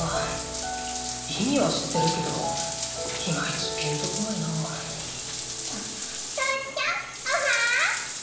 意味は知ってるけどいまいちピンとこないなフシしゃんおはー！